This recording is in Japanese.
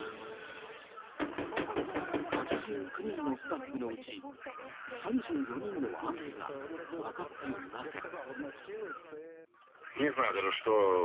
８９人のスタッフのうち３４人の安否がわかっていません。